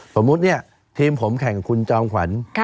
สมมุติเนี่ยทีมผมแข่งกับคุณจอมขวัญ